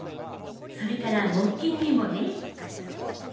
それから木琴にもね。